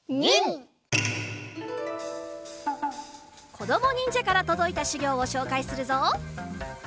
こどもにんじゃからとどいたしゅぎょうをしょうかいするぞ！